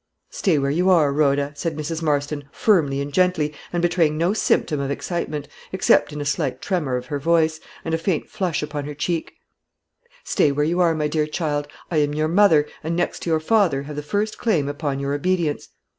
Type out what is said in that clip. "Stay where you are, Rhoda," said Mrs. Marston, firmly and gently, and betraying no symptom of excitement, except in a slight tremor of her voice, and a faint flush upon her cheek "Stay where you are, my dear child. I am your mother, and, next to your father, have the first claim upon your obedience.